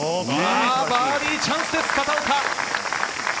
バーディーチャンスです、片岡！